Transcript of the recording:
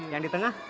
yang di tengah